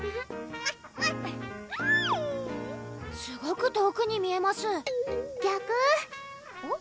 すごく遠くに見えます逆えっ？